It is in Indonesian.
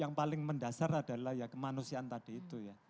yang paling mendasar adalah ya kemanusiaan tadi itu ya